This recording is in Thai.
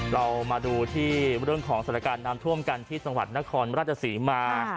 เรามาดูที่เรื่องของสถานการณ์น้ำท่วมกันที่จังหวัดนครราชศรีมา